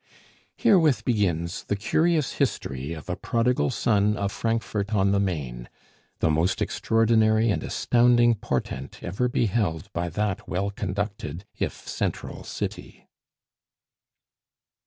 Herewith begins the curious history of a prodigal son of Frankfort on the Main the most extraordinary and astounding portent ever beheld by that well conducted, if central, city.